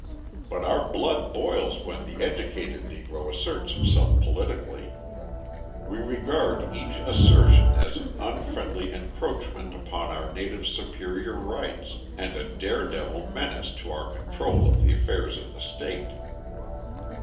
But our blood boils when the educated Negro asserts himself politically. We regard each assertion as an unfriendly encroachment upon our native superior rights, and a dare devil menace to our control of the affairs of the state.